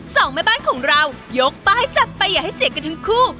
สองแม่บ้านของเรายกป้ายจับไปอย่าให้เสียกันทั้งคู่